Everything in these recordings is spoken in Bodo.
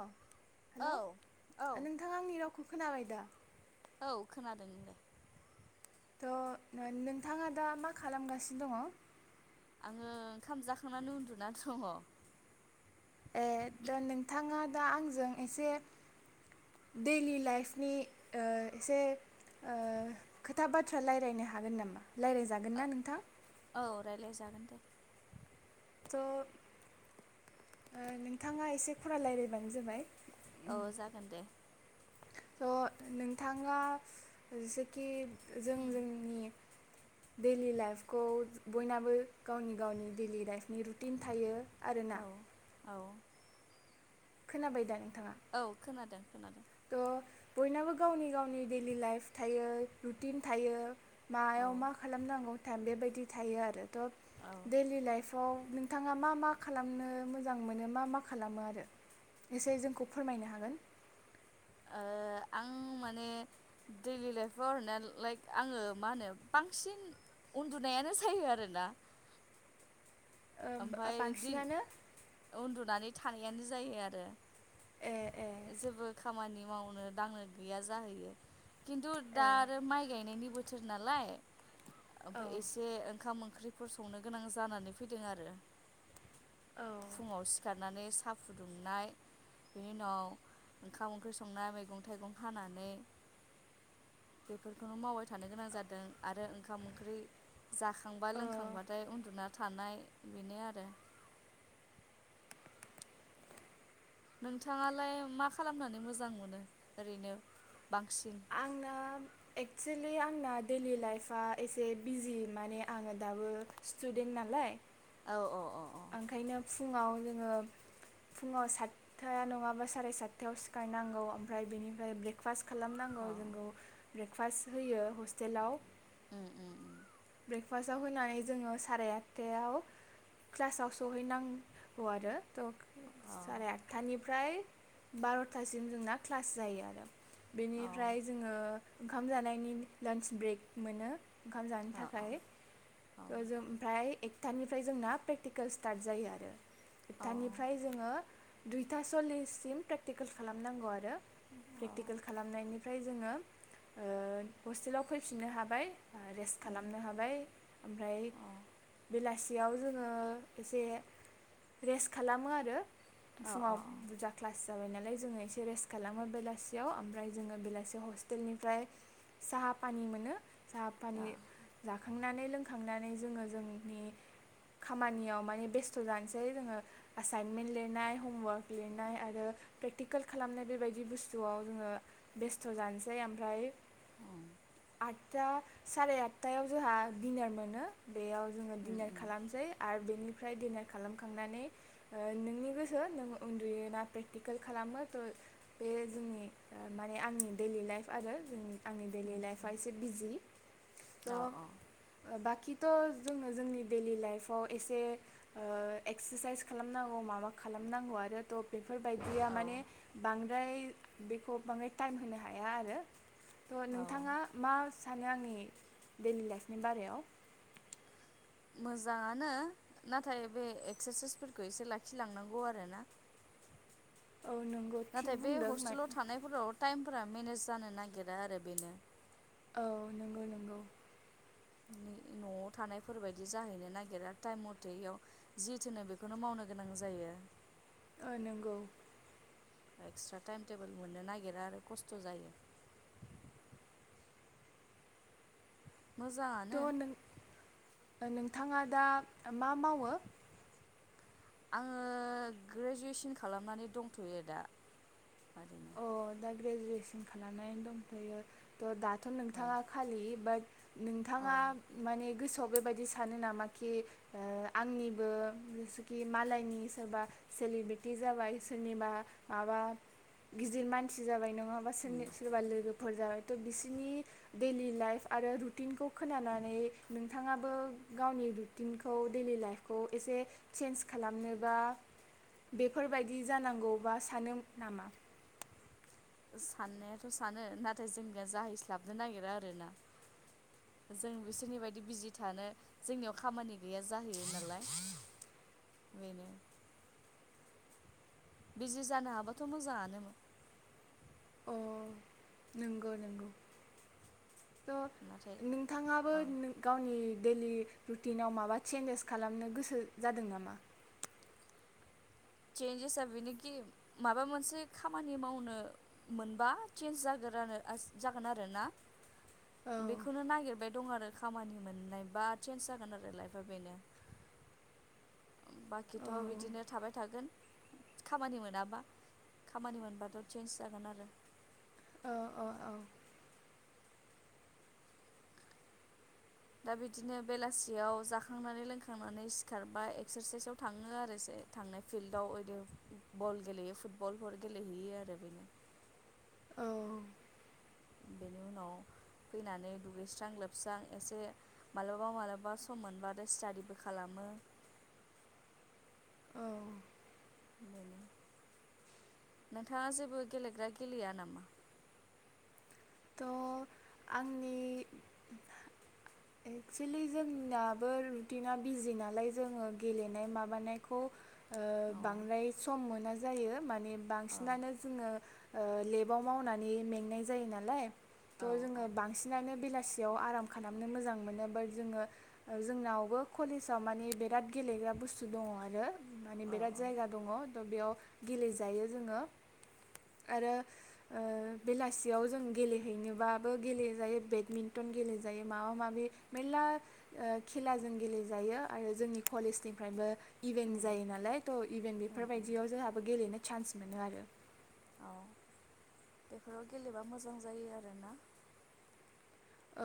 अ। हेल' औ औ नोंथाङा आंनि रावखौ खोनाबाय दा? औ खोनादों नोंलाय? त' नोंथाङा दा मा खालामगासिनो दङ'? आङो ओंखाम जाखांनानै उन्दुना दङ'। ए दा नोंथाङा दा आंजों एसे दैलि लाइफनि ओ एसे ओ खोथा बाथ्रा रायज्लायनो हागोन नामा रायज्लायजागोन ना नोंथां? औ रायज्लाय जागोन दे। त' नोंथाङा एसे खरा रायलायबानो जाबाय। औ जागोन दे। त' नोंथाङा जेसेखि जों जोंनि दैलि लाइफखौ बयनाबो गावनि गावनि दैलि लाइफनि रुटिन थायो। औ आरोना। औ। खोनाबाय दा नों? औ खोनादों। खो नादों। त' बयनाबो गावनि गावनि दैलि लाइफ थायो रुटिन थायो। औ मायाव मा खालामनांगौ थायेम बेबायदि थायो आरो। औ ओ त' दैलि लाइफ त' नोंथाङा मा-मा खालामनो मोजां मोनो मा-मा खालामो आरो एसे जोंखौ फोरमायनो हागोन। ओ आं माने दैलि लाइफआव ओरो लाइक आङो मा होनो बांसिन उन्दुनायानो जायो आरोना। ओ ओमफाय दिन बांसिनानो उन्दुनानै थानायानो जायो आरो। ए ए जेबो खामानि मावनो दांनो गैया जाहैयो। खिन्थु दा ए आरो माइ गायनायनि बो नालाय औ ओमफ्राय एसे ओंखाम ओं ओंख्रिफोर सनो गोनां जानानै फै दों आरो। औ फुङाव सिखारनानै सा फुदुंनाय बेनि उनाव ओंखाम ओंख्रि संनाय मैगं थाइगं हानानै बेफोरखौनो मावबाय थानो गोनां जादों आरो ओंखाम ओंख्रि जाखांबा ओ लोंखांबाथाय उन्दुना थानाय बेनो आरो। नोंथाङालाय मा खालामनानै मोजां मोनो ओरैनो। बांसिन आंना। एक्सुलि आंना दैलि लाइफ आ एसे बिजि माने आङो दाबो स्टुदेन्ट नालाय। औ औ औ। औ ओंखायनो फुङाव जोङो फुङाव सातथाया नङाबा साराय सातथायाव। औ खालामनांगौ जोंखौ। ब्रेकफास्ट होयो हस्टेलाव। उम उम उम ब्रेकफास्टाव होनानै जोङो। साराय आटथायाव क्लासाव सहैनांगौ आरो। द' अ औ सारे आतथानि फ्राय बार'थासिम जोंना क्लास जायो आरो। बेनिफ्राय अ जोङो ओंखाम जानायनि लान्च ब्रेक मोनो ओंखाम ज अ ओमफ्राय औ थ जों ओमफ्राय सथानिफ्राय जोंना प्रेकटिकेल स्टार्ट जायो आरो। औ दानिफ्राय जोङो दुइथा सल्लिससिम प्रेकटिकेल खालामनांगौ आरो। औ उम खालामनो हाबाय ओमफ्राय। अ अ फुङाव अ बुरजा क्लास- जाबाय नालाय जोङो एसे रेस्ट खालामो। बेलासियाव ओमफ्राय जोङो बेलासियाव हस्टेलनिफ्रा साहा फाबनि मोनो साहा औ पानि जांनानै लोंखांनानै जोङो जोंनि खामानियाव माने बेस्थ' जानोसै जोङो एाइनमेन्ट लिरनाय हमवार्क लिरनाय आरो प्रेकटिकेल खालामनाय बेबायदि बुस्थुआव जोङो बेस्थ' जानोसै ओमफ्राय आदथा साराय आट टायाव जोंहा डिनार मोनो बेयाव जोङो दिनार खालामसै आरो। बेनिफ्राय दिडिनार खालामखांनानै ओ नोंनि गोसो नों उन्दुयोना प्रेकटिकेल खालामो थ' बेयो जोंनि आंनि प्रेकटिकेल लाइफ आरो आंनि दैडलि लाइफआ एसे बिजि थ ओ बाख थ' जोङो जोंनि दैडेलि लाइफआव एसेओ एक्साइससास माबा खालामनांगौ आरो‌ थ' बे बेफोरबायदिया माने बांद्राय बेखौ बाङाय टाइम होनो हाया आरो थ' नोंथाङा मा सानो आंनि बे डैलि लाइफनि बागैआव मोजाङानो नाथाय बे एक्सारसाइफोरखौ लाखि लांनांगौ आरो औ नंगौ थिग नाथाय बे बुंदों मा हस्टेलाव थानायफोराव टाइमफोरा मेनेज जानो नागिरा आरो बेनो। औ नंगौ नंगौ। न'आव थानायफोरबायदि जाहैनो नागिरा टाइम मथेयाव जि थोनो बेखौनो मावनो गोनां जायो। ओ नंगौ। एक्सट्रा टाइम टेबोल मोननो नागिरा आरो खस्त जायो मोजाङानो। थ' नों नोंथाङा दा मा मावो आङो ग्रेजुवेसन खालामनानै दंथ'यो दा मा अ दा ग्रेजुवेसन खालामनानै दंथ'यो थ' दा थ' औ नोंथाङा खालि बाट औ नोंथाङा माने गोसो स' बेबायाददि सानो नामा कि आंनिबो जसुखि मालायनि सोरबा सेलबेटि जाबाय सोरनिबा माबा गिदिर मानसि जाबाय नङ नङाबा उम सोरनि सोरबा लोगोफोर जाबाय थ' बिसोरनि डैलि लाइफ आरो रुटिनखौ खोनानानै नोंथाङाबो गावनि रुटिनखौ लि लाइफखौ एसे चेन्ज खालामनोबा बेफोरबायदि जानांगौबा सानो नामा साननायाथ' सानो नाथाय जोंनिया जाहैस्लाबनो नागिरा आरोना जों बिसोरनि बायदि बिजि थानो जोंनियाव खामानि गैया जाहैयो नालाय बेनो बिजि जानो हाबाथ' मोजाङानोमोन अ नंगौ नंगौ स' नाथाय नोंथाङाबो अ नों गावनि डैलि रुटिनाव माबा चेन्जेस खालामनो गोसो जादों नामा चेन्जेस बेनोखि माबा मोनसे खामानि मावनो मोनबा चेन्जस जागानो जागोन आरोना औ बेखौनो नागिरबाय दं आरो खामानि मोननाय बा चेन्ज जागोन आरो लाइफआ बेनो औ बाखिथ' बिदिनो थाबाय थागोन खामानि मोनाबा खामानि मोनबाथ' चेन्जस जागोन आरो औ औ औ दा बिदिनो बेलासियाव जाखांनानै लोंखांनानै सिखारबाय एक्सारसाइसआव थाङो आरो थांनाय फिल्डआव ओदि बल गेलेयो फुटबलफोर गेलेहैयो आरो बेनो औ बेनि उनाव फैनानै दुगैस्रां लोबस्रां एसे मालाबा मालाबा सम मोनबाथाय स्टाडिबो खालामो औ। बेनो नोंथाङा जेबो गेलेग्रा गेलेया नामा? थ' आंनि एक्सुलि जोंनाबो रुटिना बिजि नालाय जोङो गेलेनाय माबानायखौ ओ औ बांद्राय सम मोना जायो माने औ बांसिनानो जोङो ओ लेबाव मावनानै मेंनाय जायो नालाय त' औ जोङो बांसिनानो बेला सियाव आराम खालामनो मोजां मोनो बाट जोङो जोंनावबो कलेजाव मान बेराद गेलेग्रा बुस्थु दङ' आरो मान औ बेराद औ जायगा दङ' बेयाव गेलेजायो जोङो आरो ओ बेलासियाव जों गेले हैनोबाबो गेलेजायो बेडमिन्टन गेलेजायो माबा माबि मेरला ओ खेलाजों गेलेजायो आरो जोंनि कलेजनिफ्रायबो इभेन्ट उम जायो नालाय त' इभेन्ट उम उम बेफोरबायदियाव जोंहाबो गेलेनाय चान्स मोनो आरो औ बेफोराव गेलेबा मोजां जायो आरो ना।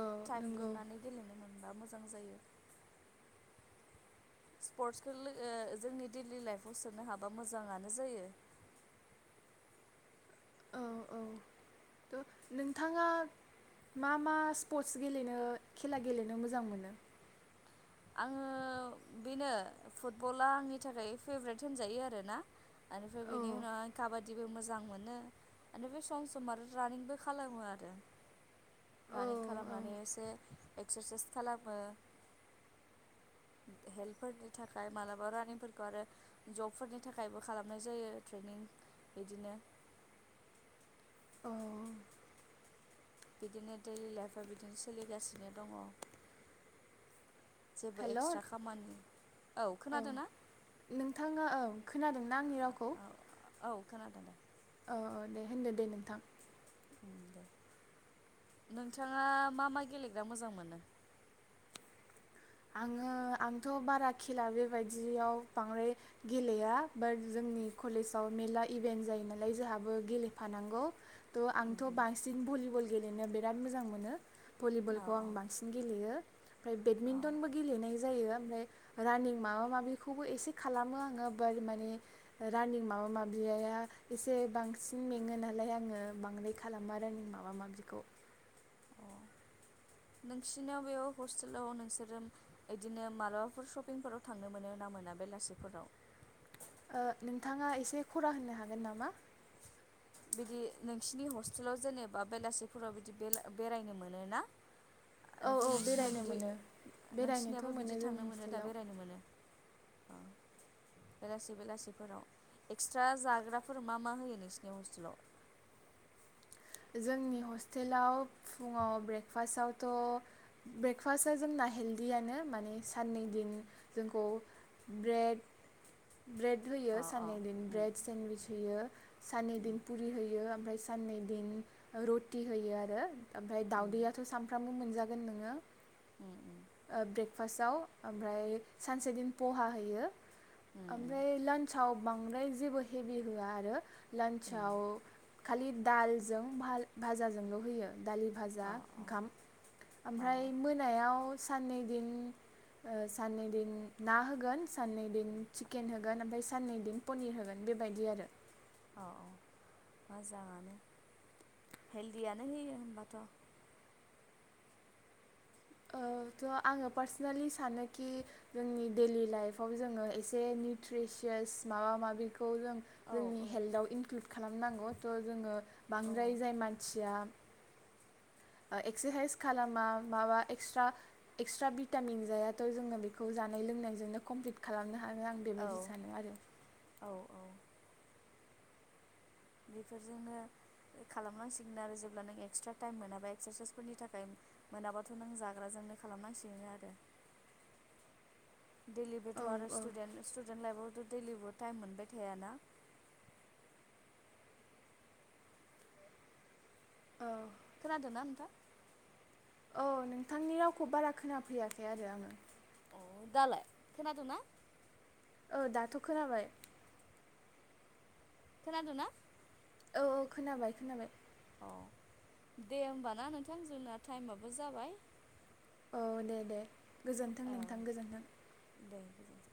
औ टाइम नंगौ दिहुननानै गेलेनो मोनबा मो जां जायो। स्पर्टसखौ ओ जोंनि देइलि लाइफआव सोनो हाबा मोजाङानो जायो। औ औ त' नोंथाङा मा मा स्पर्टस गेलेनो खेला गेलेनो मोजां मोनो? आङो बेनो फुटबला आंनि थाखाय फेभ्रेट होनजायो आरो ना। आरो फ्राय औ बेनि उनाव काबाद बिदिबो मोजां मोनो एनिफ्राय सम सम आरो रानिंबो खालामो आरो औ रानिं औ खालामनानै एसे एक्सारसाइस खालामो। हेल्थफोरनि थाखाय मालाबा रानिंफोरखौ आरो जबफोरनि थाखायबो खालामनाय जायो ट्रेनिं बिदिनो। औ। बिदिनो देइलि लाइफआ बिदिनो सोलिगासिनो दङ'। जेबो हेल' एक्सट्रा औ खामानि। औ खोनादो ना? खोनादों ना आंनि रावखौ औ औ खोनादों दे‌ ओ ओ दे होनदो दे नोंथां। नोंथाङा मा मा गेलेग्रा मोजां मोनो? आङो आंथ' बारा खेला बेबायदियाव बांद्राय गेलेया बाट जोंनि कलेजाव मेल्ला इभेन्ट जायो नालाय जोहाबो गेलेफानांगौ। त' उम आंथ' उम बांसिन भलिबल गेलेनो बिराद मोजां मोनो। औ भलिबलखौ आं औ बांसिन गेलेयो। फ्राय बेदमिन औ टनबो गेलेनाय जायो ओमफ्राय रानिं माबा माबिखौबो एसे खालामो आङो बार माने रानिं माबा माबियाया एसे बांसिन मेङो नालाय आङो बांद्राय खालामा रानिं माबा माबिखौ अ नोंसिनाव बेयाव हस्टेलाव नोंसोरो इदिनो मालाबाफोर सपिंफोराव थांनो मोनो ना मोना बेलासिफोराव? ओ नोंथाङा इसे खरा होननो हागोन नामा? बिदि नोंसिनि हस्टेलाव जेनेबा बेलासेफोराव बिदि बेला-बेरायनो मोनोना? औ औ नोंसो-नोंसिना बेरायनो बिदि मोनो बेरायनोथ' नोंसिनियाबो मोनो बिदि जोंनि थांनो मोनो दा हस्टेलाव बेरायनो मोनो? ओ बेलासि बेलासिफोराव एक्सट्रा जाग्राफोर मा मा होयो नोंसि नियाव हस्टेलाव? जोंनि हस्टेलाव फुङाव ब्रेकफासआवथ' ब्रेकफास्टआ जोंना हेल्दियानो माने साननै दिन जोंखौ ब्रेड ब्रेड होयो अ अ साननै दिन उम ब्रेड सेन्डविस होयो साननै उम दिन पुरि होयो ओमफ्राय साननै दिन रुटि होयो आरो। ओमफ्राय उम दावदैयाथ' सानफ्रामबो मोनजा गोन नोङो। उम उम। ओ ब्रेकफास्टआव ओमफ्राय सानसे दिन पहा होयो। उम ओमफ्राय लान साव बांद्राय जेबो हेभि होआ आरो उम लान्चआव खालि दालजों भाल-भाजाजोंल' होयो। दालि भाजा अ अ ओंखाम अ ओमफ्राय मोनायाव साननै दिन ओ साननै दिन ना होगोन साननै दिन चिकेन होगोन ओमफाय साननै दिन पनिर होगोन बेबायदि आरो। अ अ मोजाङानो हेल्दियानो होयो होमबाथ'। ओ थ' आङो पार्सनेलि सानोकि जोंनि डेलि लाइफआव जोङो एसे निउट्रिसियास माबा माबि खौ जों औ जोंनि औ हेल्थाव इनक्लुद खालामनांगौ थ' जोङो बांद्राय औ जाय मानसिया एक्सारसाइस खालामा माबा एक्स्रा एक्सट्रा भिटामिन जायाथ' जोङो बेखौ जानाय लोंनायजोंनो कमप्लिट खालामनो आरो आं बेबायदि औ सानो आरो। औ बेफोरजोंनो खालामनांसिगोन आरो जेब्ला नों एक्सट्रा टाइम मोनाबा एक्सारसाइसफोरनि थाखाय मोनाबाथ' नों जाग्राजोंनो खालामनांसिगोन आरो। डेलि औ बेथ' आरो औ स्टुडेन्ट स्टुडेन्ट लाइफआवथ' दैलिबो टाइम मोनबाय थायाना। औ। खोनादोंना नोंथां? औ नोंथांनि रावखौ बारा खोनाफैयाखै आरो आङो। अ दालाय खोनादोंना? ओ दाथ' खोनाबाय। खोनादोंना? औ औ खोनाबाय खोनाबाय। औ दे होमबा ना नोंथां जोंना टाइमाबो जाबाय। औ दे दे। गोजोन्थों औ नोंथां गोजोन्थों। दे गोजोन्थों